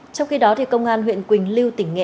trong khi đó công an huyện quỳnh lưu tỉnh nghệ an